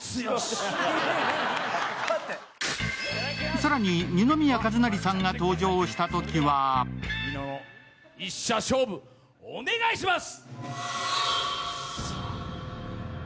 更に二宮和也さんが登場したときは１射勝負、お願いします。